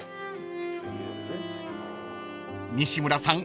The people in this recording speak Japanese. ［西村さん